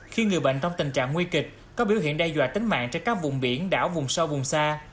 khi người bệnh trong tình trạng nguy kịch có biểu hiện đe dọa tính mạng trên các vùng biển đảo vùng sâu vùng xa